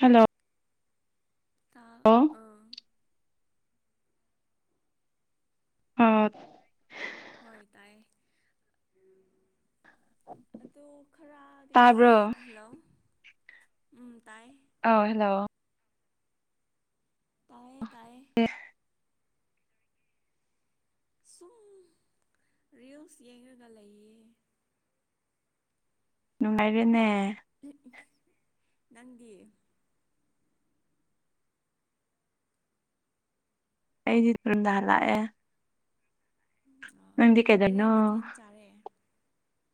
Hello ꯇꯥ ꯑꯣꯑꯣ ꯑꯥ ꯑꯥꯠ ꯍꯣꯏ ꯇꯥꯏꯌꯦ ꯑꯗꯨ ꯈꯔꯗꯤ ꯇꯥꯕ꯭ꯔꯣ ꯁꯤꯁ ꯍꯜꯂꯣ ꯎꯝ ꯇꯥꯏ ꯑꯧ ꯍꯜꯂꯣ ꯇꯥꯢꯌꯦ-ꯇꯥꯢꯌꯦ ꯁꯨꯎꯝ ꯔꯤꯜꯁ ꯌꯦꯡꯉꯒ ꯂꯩꯌꯦ ꯅꯨꯡꯉꯥꯏꯔꯦꯅꯦ ꯅꯪꯗꯤ UNINTELLIGIBLE ꯅꯪꯗꯤ ꯀꯔꯤ ꯀꯗꯣꯏꯅꯣ ꯃꯊꯦꯜ ꯆꯥꯔꯦ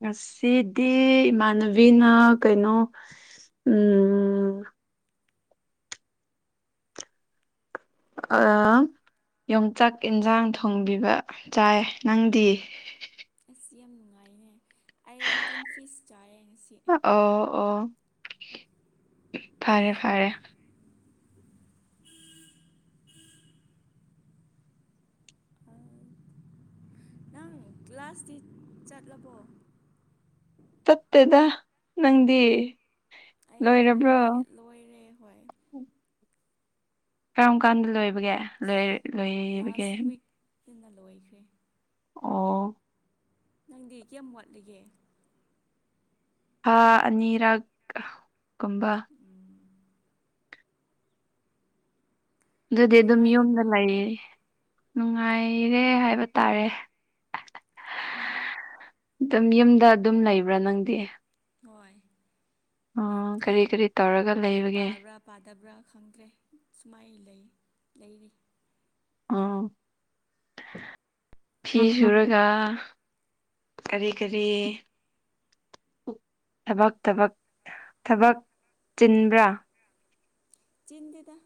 ꯉꯥꯁꯤꯗꯤ ꯏꯃꯥꯟꯅꯕꯤꯅꯥ ꯀꯩꯅꯣ ꯎꯪꯎꯪꯝ ꯑꯥ ꯌꯣꯡꯆꯥꯛ ꯏꯟꯖꯥꯡ ꯊꯣꯡꯕꯤꯕ ꯆꯥꯏ ꯅꯪꯗꯤ ꯌꯥꯝ ꯅꯨꯡꯉꯥꯏꯅꯦ ꯑꯩ ꯇꯤꯟꯐꯤꯁ ꯆꯥꯏꯌꯦ ꯉꯁꯤ ꯑꯣ ꯑꯣ ꯐꯔꯦ- ꯐꯔꯦ INAUDIBLE ꯅꯪ ꯀ꯭ꯂꯥꯁ ꯇꯤ ꯆꯠꯂꯕꯣ ꯆꯠꯇꯦꯗꯑꯥ ꯅꯪꯗꯤ ꯑꯩꯗꯤ ꯂꯣꯏꯔꯕ꯭ꯔꯣ ꯂꯣꯏ ꯔꯦ ꯍꯣꯏ ꯀꯔꯝ- ꯀꯥꯟꯗ ꯂꯣꯏꯕꯒꯦ ꯂꯣꯢ ꯂꯣꯏꯌꯦꯕꯒꯦ ꯊꯨꯅ ꯂꯣꯏꯈ꯭ꯔꯦ ꯑꯣꯑꯣ ꯅꯪꯗꯤ ꯀꯌꯥꯝꯋꯥꯠꯂꯤꯒꯦ ꯊꯥ ꯑꯅꯤꯔꯛ ꯀꯨꯝꯕ ꯑꯗꯨꯗꯤ ꯗꯨꯝ ꯌꯨꯝꯗ ꯅꯨꯡꯉꯥꯏꯔꯤꯕ꯭ꯔꯣ ꯂꯩꯌꯦ ꯅꯨꯡꯉꯥꯏ ꯔꯦ ꯍꯥꯏꯕ ꯇꯥꯔꯦ INAUDIBLE ꯑꯗꯨꯝ ꯌꯨꯝꯗ ꯗꯨꯝ ꯂꯩꯕ꯭ꯔꯥ ꯅꯪꯗꯤ ꯍꯣꯏ ꯑꯣ ꯌꯨꯝꯗ ꯀꯔꯤ ꯀꯔꯤ ꯇꯧ ꯂꯥꯏꯔꯤꯛ ꯄꯥꯕ꯭ꯔꯥ- ꯄꯥꯗꯕ꯭ꯔꯥ ꯈꯪꯗ꯭ꯔꯦ ꯁꯨꯃꯥꯏ ꯂꯩ ꯂꯩꯔꯤ ꯑꯥꯑꯣ ꯐꯤ ꯁꯨꯔꯒ ꯀꯔꯤꯀꯔꯤ ꯊꯕꯛꯊꯕꯛ ꯊꯕꯛ ꯆꯤꯟꯕ꯭ꯔꯥ ꯆꯤꯟꯗꯦꯗꯥ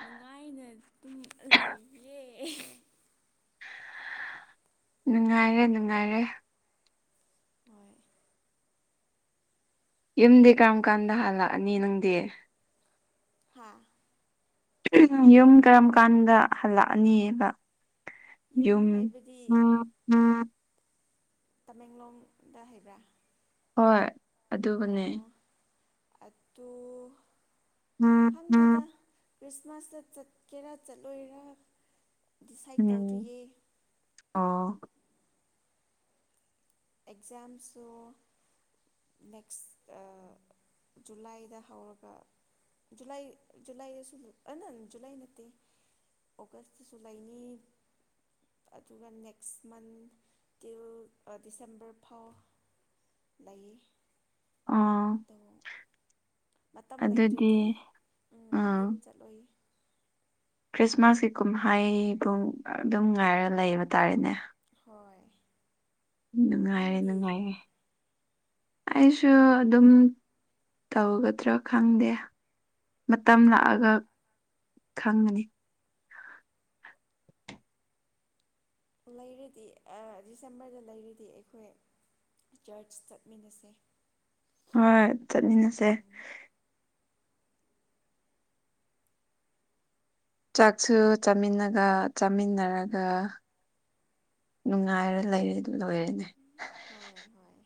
ꯅꯨꯡꯉꯥꯏꯅ ꯇꯨꯝ ꯃꯥ ꯂꯩꯌꯦ ꯅꯨꯡꯉꯥꯏꯔꯦ-ꯅꯨꯡꯉꯥꯏꯔꯦ ꯍꯣꯢ ꯌꯨꯝꯗꯤ ꯀꯔꯝꯀꯥꯟꯗ ꯍꯜꯂꯥꯛꯑꯅꯤ ꯅꯪꯗꯤ ꯍꯥꯥꯑꯥ ꯌꯨꯝ ꯀꯔꯝ-ꯀꯥꯟꯗ ꯍꯜꯂꯛꯑꯅꯤꯕ ꯌꯨꯝ ꯍꯥꯏꯕꯗꯤ UNINTELLIGIBLE ꯇꯃꯦꯡꯂꯣꯡ ꯗꯥ ꯍꯥꯢꯕ꯭ꯔꯥ ꯍꯣꯏ ꯑꯗꯨꯕꯨꯅꯦ [inaudible] ꯈꯪꯗꯦꯗ [unintelligible] ꯈ꯭ꯔꯤꯁꯃꯥꯁꯇ ꯆꯠꯀꯦꯔ ꯆꯠꯂꯣꯏꯔ ꯗꯤꯁꯥꯏꯠ ꯇꯧꯗ꯭ꯔꯤꯌꯦ ꯑꯣ ꯑꯦꯛꯖꯥꯝꯁꯨ ꯅꯦꯛꯁ ꯑ ꯖꯨꯂꯥꯏꯗ ꯍꯧꯔꯒ ꯖꯨꯂꯥꯏ ꯖꯨꯂꯥꯏꯗꯁꯨ ꯑ ꯅ ꯖꯨꯂꯥꯏ ꯅꯠꯇꯦ ꯑꯣꯒꯁꯀꯤꯁꯨ ꯂꯩꯅꯤ ꯑꯗꯨꯒ ꯅꯦꯛꯁ ꯃꯟ ꯇꯤꯜ ꯑ ꯗꯤꯁꯦꯝꯕꯔ ꯐꯥꯎ ꯂꯩ ꯑꯣ ꯑꯗꯣ ꯃꯇꯝ ꯂꯩꯇ꯭ꯔꯗꯤ ꯑꯗꯨꯗꯤ ꯎꯝ ꯑꯥ ꯌꯨꯝ ꯆꯠꯂꯣꯏ ꯈ꯭ꯔꯤꯁꯃꯥꯁꯀꯤ ꯀꯨꯝꯍꯩ ꯄꯨꯡ ꯑꯗꯨꯝ ꯉꯥꯏꯔ ꯂꯩꯕ ꯇꯥꯔꯦꯅꯦ ꯍꯣꯏ ꯅꯨꯡꯉꯥꯏꯔꯦ ꯅꯪꯗꯤ ꯅꯨꯡꯉꯥꯏꯔꯦ ꯑꯩꯁꯨ ꯑꯗꯨꯝ ꯇꯧꯒꯗ꯭ꯔ ꯈꯪꯗꯦ ꯃꯇꯝ ꯎꯝ ꯂꯥꯛꯑꯒ ꯈꯪꯒꯅꯤ ꯂꯩꯔꯗꯤ ꯑ ꯗꯤꯁꯦꯝꯕꯔꯗ ꯂꯩꯔꯗꯤ ꯑꯩꯈꯣꯏ ꯆꯔꯆ ꯆꯠꯃꯤꯟꯅꯁꯦ ꯍꯣꯏ ꯆꯠꯃꯤꯟꯅꯁꯦ ꯎꯝ ꯆꯥꯛꯁꯨ ꯆꯥꯃꯤꯟꯅꯒ ꯆꯥꯃꯤꯟꯅꯔꯒ ꯅꯨꯡꯉꯥꯏꯔ ꯂꯩꯔꯦ ꯑꯗꯨꯝ ꯂꯣꯏꯔꯦꯅꯦ ꯍꯣꯏ ꯍꯣꯏ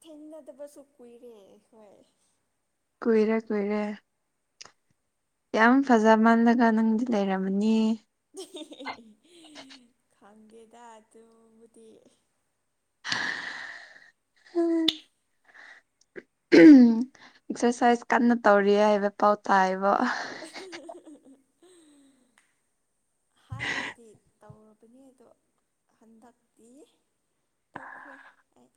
ꯊꯦꯡꯅꯗꯕꯁꯨ ꯀꯨꯏꯔꯦ ꯑꯩꯈꯣꯏ ꯀꯨꯏꯔꯦ ꯀꯨꯏꯔꯦ ꯌꯥꯝ ꯐꯖꯃꯜꯂꯒ ꯅꯪꯗꯤ ꯂꯩꯔꯝꯃꯅꯤ [unintelligible] ꯈꯪꯗꯦꯗ ꯑꯗꯨꯕꯨꯗꯤ ꯍꯍ [unintelligible] [unintelligible] ꯑꯦꯛꯁꯔꯁꯥꯏꯁ ꯀꯟꯅ ꯇꯧꯔꯤꯌꯦ ꯍꯥꯏꯕ ꯄꯥꯎ ꯇꯥꯏꯑꯕ ꯍꯥꯟ ꯅꯗꯤ ꯇꯧꯔꯕꯅꯤ ꯑꯗꯣ ꯍꯟꯗꯛꯇꯤ ꯇꯣꯛꯈ꯭ꯔꯦ ꯑꯩ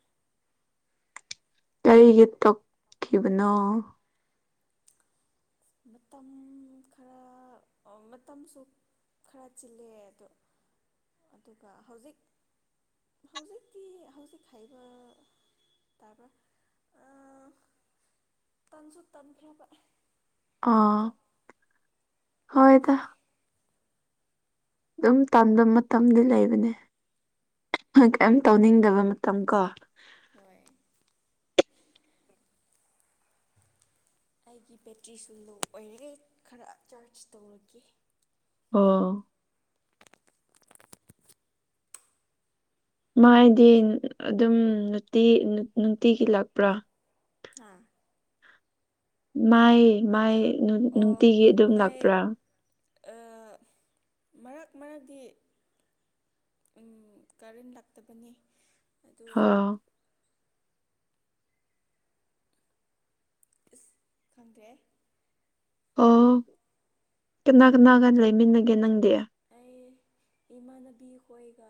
ꯀꯔꯤꯒꯤ ꯇꯧꯈꯤꯕꯅꯣ ꯃꯇꯝ ꯈꯔ ꯑꯣ ꯃꯇꯝꯁꯨ ꯈꯔ ꯆꯤꯜꯂꯦ ꯑꯗꯨ ꯑꯗꯨꯒ ꯍꯧꯖꯤꯛ ꯍꯧꯖꯤꯛꯇꯤ ꯍꯧꯖꯤꯛ ꯍꯥꯏꯕ ꯇꯥꯕ꯭ꯔ ꯑ ꯇꯟꯁꯨ ꯇꯟꯈ꯭ꯔꯕ ꯑꯥ ꯑꯗꯣ ꯍꯣꯏ ꯗ ꯇꯣꯛꯈ꯭ꯔꯦ ꯑꯗꯨꯝ ꯇꯟꯕ ꯃꯇꯝꯗꯤ ꯂꯩꯕꯅꯦ ꯍ ꯀꯩꯝ ꯎꯝ ꯇꯧꯅꯤꯡꯗꯕ ꯃꯇꯝ ꯀꯣ ꯍꯣꯏ ꯑꯩꯒꯤ ꯕꯦꯇ꯭ꯔꯤꯁꯨ ꯂꯣ ꯑꯣꯏꯔꯦ ꯈꯔ ꯆꯥꯔꯖ ꯇꯧꯔꯒꯦ ꯑꯣ ꯃꯥꯗꯤ ꯑꯗꯨꯝ ꯅꯨꯡꯇꯤ ꯅꯨꯡꯇꯤꯒꯤ ꯂꯥꯛꯄ꯭ꯔ ꯍꯥ ꯃꯥꯏ ꯃꯥꯏ ꯅꯨ ꯅꯨꯡꯇꯤꯒꯤ ꯑꯗꯨꯝ ꯂꯥꯛꯄ꯭ꯔ ꯑ ꯃꯔꯛ ꯃꯔꯛꯇꯒꯤ ꯎꯝ ꯀꯔꯤꯝ ꯂꯥꯛꯇꯕꯅꯤ ꯑꯗꯨ ꯍꯥ ꯏꯁ ꯈꯪꯗꯦꯍꯦ ꯑꯣ ꯀꯅꯥ ꯀꯅꯥꯒ ꯂꯩꯃꯤꯟꯅꯒꯦ ꯅꯪꯗꯤ ꯑꯩ ꯏꯃꯥꯟꯅꯕꯤ ꯈꯣꯏꯒ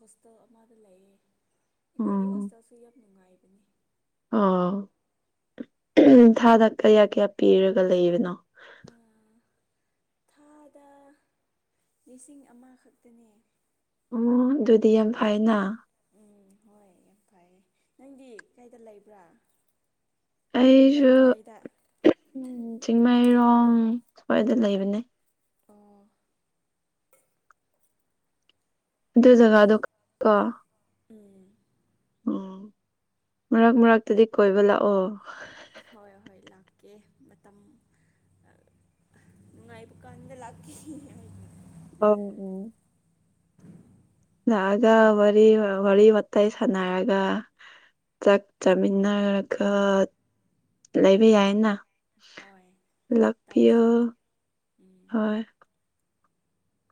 ꯍꯣꯁꯇꯦꯜ ꯑꯃꯗ ꯂꯩꯌꯦ ꯑꯩꯈꯣꯏꯒꯤ ꯎꯝ ꯍꯣꯁꯇꯦꯜꯁꯨ ꯌꯥꯝ ꯅꯨꯡꯉꯥꯏꯕꯅꯤ ꯑꯣ ꯊꯥꯗ ꯀꯌꯥ ꯀꯌꯥ ꯄꯤꯔꯒ ꯂꯩꯕꯅꯣ ꯑꯥ ꯊꯥꯗ ꯂꯤꯁꯤꯡ ꯑꯃ ꯈꯛꯇꯅꯤ ꯑꯣ ꯑꯗꯨꯗꯤ ꯌꯥꯝ ꯐꯩꯅ ꯎꯝ ꯍꯣꯏ ꯌꯥꯝ ꯐꯔꯦ ꯅꯪꯗꯤ ꯀꯩꯗ ꯂꯩꯕ꯭ꯔꯥ ꯀꯔꯤ ꯑꯩꯁꯨ ꯂꯩꯀꯥꯏꯗ ꯎꯝ ꯆꯤꯡꯃꯩ ꯃꯔꯣꯡ ꯁꯋꯥꯏꯗ ꯂꯩꯕꯅꯦ ꯑꯣ ꯑꯥꯗꯨ ꯖꯒꯥꯗꯨ ꯈꯪꯏꯀꯣ ꯎꯝ ꯎꯝ ꯃꯔꯛ ꯃꯔꯛꯇꯗꯤ ꯀꯣꯏꯕ ꯂꯥꯛꯑꯣ ꯍꯣꯏ ꯍꯣꯏ ꯂꯥꯛꯀꯦ ꯃꯇꯝ ꯅꯨꯪꯉꯥꯏꯕꯥ ꯀꯥꯟꯗ ꯂꯥꯛꯀꯦ ꯎꯝ ꯎꯝ ꯂꯥꯛ ꯑꯒ ꯋꯥꯔꯤ ꯋꯥꯇꯥꯏ ꯁꯟꯅꯔꯒ ꯆꯥꯛ ꯆꯥꯃꯤꯟꯅꯔꯒ ꯂꯩꯕ ꯌꯥꯏꯅ ꯍꯣꯏ ꯂꯥꯛꯄꯤꯌꯣ ꯇꯧꯁꯦ ꯎꯝ ꯍꯣꯏ꯫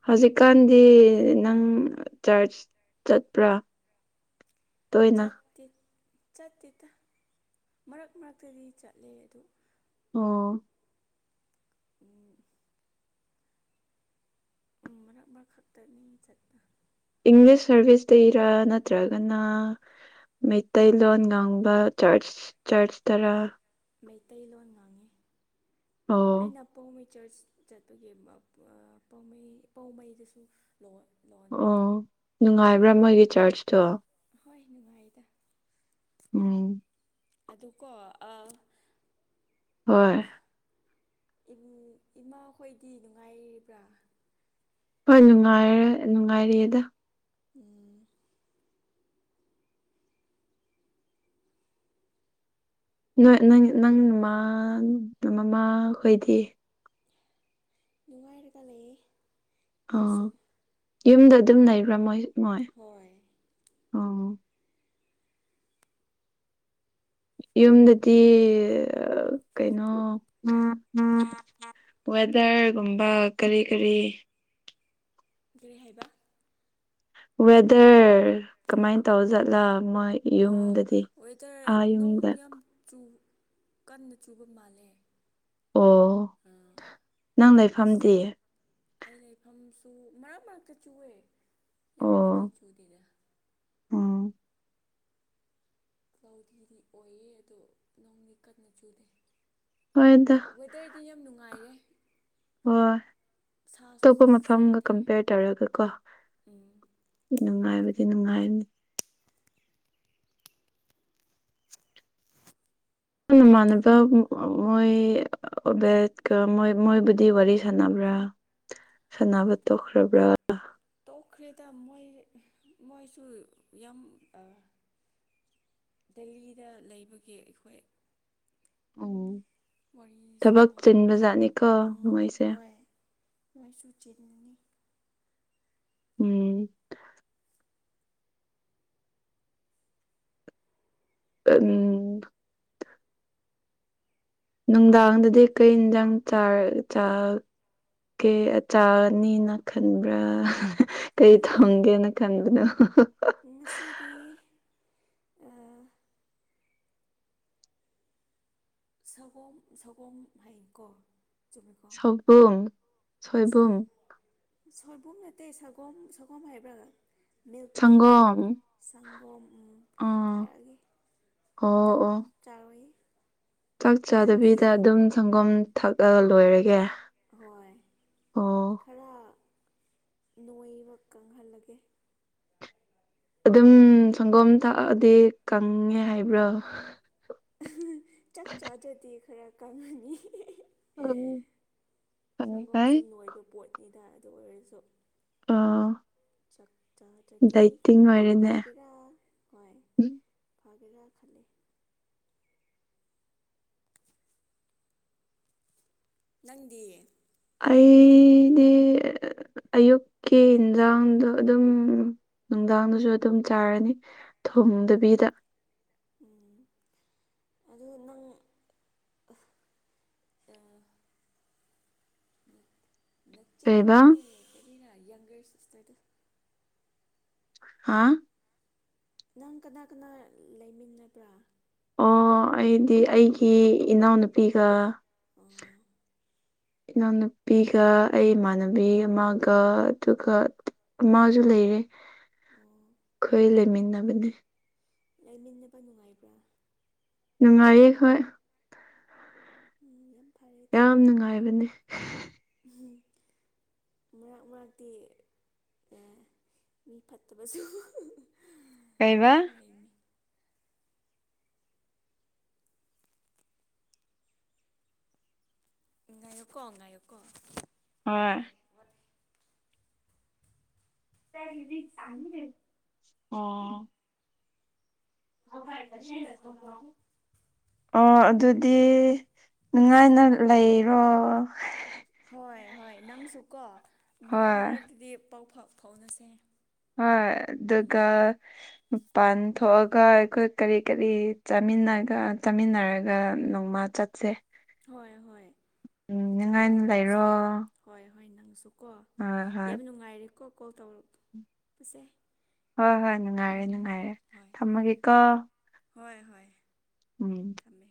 ꯍꯧꯖꯤꯛꯀꯥꯟꯗꯤ ꯅꯪ ꯆꯔꯆ ꯆꯠꯄ꯭ꯔꯥ ꯇꯣꯏꯅ ꯆꯠꯇꯤ ꯆꯠꯇꯦꯗ ꯃꯔꯛ ꯃꯔꯛꯇꯗꯤ ꯆꯠꯂꯦ ꯑꯗꯨ ꯑꯣ ꯎꯝ ꯎꯝ ꯃꯔꯛ ꯃꯔꯛ ꯈꯛꯇꯅꯤ ꯆꯠꯄ ꯏꯪꯂꯤꯁ ꯁꯥꯔꯚꯤꯁꯇꯩꯔꯥ ꯅꯠꯇ꯭ꯔꯒꯅ ꯃꯩꯇꯩꯂꯣꯟ ꯉꯥꯡꯕ ꯆꯔꯆ ꯆꯔꯆ ꯇꯔꯥ ꯃꯩꯇꯩꯂꯣꯟ ꯉꯥꯡꯉꯤ ꯑꯣ ꯑꯩꯅ [unintelligible] ꯆꯔꯆ ꯆꯠꯄꯒꯤ ꯄꯥꯎꯃꯩ ꯄꯥꯎꯃꯩꯗꯁꯨ ꯂꯣꯟꯕꯅꯤ ꯑꯣ ꯅꯨꯡꯉꯥꯏꯕ꯭ꯔꯥ ꯃꯣꯏꯒꯤ ꯆꯥꯔꯆꯇꯣ ꯍꯣꯏ ꯅꯨꯡꯉꯥꯏꯗ ꯎꯝ ꯑꯗꯨꯀꯣ ꯑꯥ ꯍꯣꯏ ꯏꯃꯥ ꯍꯣꯏꯗꯤ ꯅꯨꯡꯉꯥꯏꯔꯤꯕ꯭ꯔꯥ ꯍꯣꯏ ꯅꯨꯡꯉꯥꯏꯔꯦ ꯅꯨꯡꯉꯥꯏꯔꯤꯗ ꯎꯝ ꯅꯣꯏ ꯅꯣꯏꯅꯤ ꯅꯪ ꯃꯥꯡ ꯃꯃꯥ ꯈꯣꯏꯗꯤ ꯅꯨꯡꯉꯥꯏꯔꯒ ꯂꯩꯌꯦ ꯑꯣ ꯃꯣꯏꯁꯨ ꯌꯨꯝꯗ ꯑꯗꯨꯝ ꯂꯩꯕ꯭ꯔꯥ ꯃꯣꯏ ꯍꯣꯏ ꯑꯥ ꯌꯨꯝꯗꯗꯤ ꯀꯩꯅꯣ ꯎꯝ ꯋꯦꯗꯔꯒꯨꯝꯕ ꯀꯔꯤ ꯀꯔꯤ ꯀꯔꯤ ꯍꯥꯏꯕ ꯋꯦꯗꯔ ꯀꯃꯥꯏ ꯇꯧꯔꯤꯖꯥꯠꯂꯥ ꯑꯥ ꯋꯦꯗꯔ ꯅꯣꯡ ꯌꯨꯝꯗ ꯌꯥꯝ ꯆꯨ ꯀꯟꯅ ꯆꯨꯕ ꯃꯥꯜꯂꯦ ꯑꯣ ꯅꯪ ꯂꯩꯐꯝꯗꯤ ꯑꯩ ꯂꯩꯐꯝꯁꯨ ꯃꯔꯛ ꯃꯔꯛꯇ ꯆꯨꯑꯦ ꯑꯣ ꯌꯥꯝꯅꯗꯤ ꯆꯨꯗꯦꯗ ꯎꯝ ꯂꯧꯗꯨꯗꯤ ꯑꯣꯏꯌꯦ ꯑꯗꯣ ꯅꯣꯡꯗꯤ ꯀꯟꯅ ꯆꯨꯗꯦ ꯍꯣꯏꯗ ꯋꯦꯗꯔꯗꯤ ꯌꯥꯝ ꯅꯨꯡꯉꯥꯏꯔꯦ [unintelligible] ꯁꯥꯁꯨ ꯑꯇꯣꯞꯄ ꯃꯐꯝꯒ ꯁꯥꯗꯦ ꯀꯝꯄꯦꯌꯔ ꯇꯧꯔꯒ ꯀꯣ ꯎꯝ ꯅꯨꯡꯉꯥꯏꯕ ꯅꯨꯉꯥꯏꯅꯤ ꯎꯝ ꯏꯃꯥꯟꯅꯕ ꯃꯣꯏ ꯕꯦꯠꯀ ꯃꯣꯏ ꯃꯣꯏꯕꯨꯗꯤ ꯋꯥꯔꯤ ꯁꯥꯟꯅꯕ꯭ꯔꯥ ꯁꯥꯟꯅꯕ ꯇꯣꯛꯈ꯭ꯔꯕ꯭ꯔꯥ ꯇꯣꯛꯈ꯭ꯔꯦꯗ ꯃꯣꯏ ꯃꯣꯏꯁꯨ ꯌꯥꯝ ꯑ ꯗꯦꯜꯂꯤꯗ ꯂꯩꯕꯒꯤ ꯑꯩꯈꯣꯏ ꯎꯝ ꯋꯥꯔꯤꯁꯨ ꯊꯕꯛ ꯆꯤꯟꯕꯖꯥꯠꯅꯤꯀꯣ ꯃꯣꯏꯁꯦ ꯅꯣꯏꯁꯨ ꯆꯤꯟꯅꯤ ꯎꯝ [unintelligible] ꯅꯨꯡꯗꯥꯡꯗꯗꯤ ꯀꯩ ꯌꯦꯟꯁꯥꯡ ꯆꯥ ꯆꯥ ꯀꯦ ꯆꯥꯅꯤꯅ ꯈꯟꯕ꯭ꯔꯥ ꯀꯩ ꯊꯣꯡꯒꯦꯅ ꯈꯟꯕꯅꯣ ꯉꯁꯤꯗꯤ ꯁꯒꯣꯝ ꯁꯒꯣꯝ ꯍꯥꯏꯌꯦꯀꯣ ꯁꯣꯏꯕꯨꯝ ꯁꯣꯏꯕꯨꯝ ꯁꯣꯏꯕꯨꯝ ꯅꯇꯦ ꯁꯒꯣꯝ ꯁꯒꯣꯝ ꯍꯥꯏꯕ꯭ꯔꯥ ꯃꯤꯜꯛꯇꯣ ꯁꯪꯒꯣꯝ ꯁꯪꯒꯣꯝ ꯎꯝ ꯑꯥ ꯊꯛꯑꯥꯒꯦ ꯑꯣ ꯆꯥꯛ ꯑꯣ ꯆꯥꯔꯣꯏ ꯆꯥꯛ ꯆꯥꯗꯕꯤꯗ ꯅꯪꯗꯤ ꯑꯗꯨꯝ ꯁꯪꯒꯣꯝ ꯊꯛꯑ ꯂꯣꯏꯔꯒꯦ ꯍꯣꯏ ꯑꯣ ꯈꯔ ꯅꯣꯏꯕ ꯀꯪꯍꯜꯂꯒꯦ ꯑꯗꯨꯝ ꯁꯪꯒꯣꯝ ꯊꯛꯑꯗꯤ ꯀꯪꯉꯦ ꯍꯥꯏꯕ꯭ꯔꯥ ꯆꯥꯛ ꯆꯥꯗ꯭ꯔꯗꯤ ꯈꯔ ꯀꯪꯉꯅꯤ ꯍꯤ ꯍꯤ [unintelligible] ꯐꯪꯉꯦ ꯁꯪꯒꯣꯝ ꯀꯥꯏ ꯆꯨꯝꯅ ꯑꯣꯏꯕ ꯄꯣꯠꯅꯤꯗ ꯑꯗꯨ ꯑꯣꯏꯔꯁꯨ ꯑꯥ ꯆꯥꯛꯆꯥꯗ꯭ꯔꯗꯤ ꯈꯔ ꯑꯣꯏꯔꯦꯅꯦ ꯐꯥꯒꯦꯔꯥ ꯍꯣꯏ ꯐꯥꯒꯦꯔ ꯈꯜꯂꯤ ꯅꯪꯗꯤ ꯑꯩꯗꯤ ꯑꯌꯨꯛꯀꯤ ꯌꯦꯟꯖꯥꯡꯗꯣ ꯑꯗꯨꯝ ꯅꯨꯡꯗꯥꯡꯗꯁꯨ ꯑꯗꯨꯝ ꯆꯥꯔꯅꯤ ꯊꯣ ꯡꯗꯕꯤꯗ ꯎꯝ ꯑꯗꯨ ꯅꯪ [inaudible] ꯅꯆꯦ ꯀꯩꯕ ꯅꯠꯇꯦ ꯀꯔꯤꯅ ꯌꯪꯒꯔ ꯁꯤꯁꯇꯔꯗꯣ ꯍꯥꯥ ꯅꯪ ꯀꯅꯥ ꯀꯅꯥ ꯂꯩꯃꯤꯟꯅꯕ꯭ꯔꯥ ꯑꯣ ꯑꯩꯗꯤ ꯑꯩꯒꯤ ꯏꯅꯥꯎꯅꯨꯄꯤꯒ ꯑꯣ [inaudible] ꯏꯅꯥꯎꯅꯨꯄꯤꯒ ꯑꯩ ꯏꯃꯥꯟꯅꯕꯤ ꯑꯃꯒ ꯑꯗꯨꯒ ꯑꯃꯁꯨ ꯂꯩꯔꯦ ꯑꯣ ꯈꯣꯏ ꯂꯩꯃꯤꯟꯅꯕꯅꯦ ꯂꯩꯃꯤꯟꯅꯕ ꯅꯨꯡꯉꯥꯏꯕ꯭ꯔꯥ ꯅꯨꯡꯉꯥꯏꯌꯦ ꯍꯣꯏ [unintelligible] ꯌꯥꯝ ꯅꯨꯡꯉꯥꯏꯕꯅꯦ ꯎꯝ ꯃꯔꯛ ꯃꯔꯛꯇꯤ ꯃꯤ ꯐꯠꯇꯕꯁꯨ ꯀꯩꯕ ꯂꯩꯅꯤ ꯉꯥꯏꯌꯣꯀꯣ ꯉꯥꯏꯌꯣꯀꯣ ꯍꯣꯏ ꯑꯣ ꯑꯣ ꯑꯗꯨꯗꯤ ꯅꯨꯡꯉꯥꯏꯅ ꯂꯩꯔꯣ ꯍꯣꯏ ꯍꯣꯏ ꯅꯪꯁꯨꯀꯣ ꯃꯔꯛ ꯍꯣꯏ ꯃꯔꯛꯇꯗꯤ ꯄꯥꯎ ꯐꯥꯎꯅꯁꯦ ꯍꯣꯢ ꯑꯗꯨꯒ ꯎꯝ ꯃꯄꯥꯟ ꯊꯣꯛꯑ ꯑꯩꯈꯣꯏ ꯀꯔꯤ ꯀꯔꯤ ꯆꯥꯃꯤꯟꯅꯔꯒ ꯆꯥꯃꯤꯟꯅꯔꯒ ꯅꯣꯡꯃ ꯆꯠꯁꯦ ꯍꯣꯏ ꯍꯣꯏ ꯎꯝ ꯑꯗꯨ ꯅꯨꯡꯉꯥꯏꯅ ꯄ꯭ꯂꯥꯟ ꯂꯩꯔꯣ ꯇꯧꯁꯦ ꯍꯣꯏ ꯍꯣꯏ ꯅꯪꯁꯨ ꯀꯣ ꯍꯣꯏ ꯍꯣꯏ ꯌꯥꯝ ꯅꯨꯡꯉꯥꯏꯔꯦꯀꯣ ꯀꯣꯜ ꯇꯧꯔꯛꯄꯁꯦ ꯍꯣꯏ ꯍꯣꯏ ꯅꯨꯡꯉꯥꯏꯔꯦ ꯎꯝ ꯅꯨꯡꯉꯥꯏꯔꯦ ꯍꯣꯏ ꯊꯝꯃꯒꯦꯀꯣ ꯍꯣꯏ ꯍꯣꯏ ꯎꯝ ꯊꯝꯃꯦ